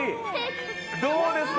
どうですか？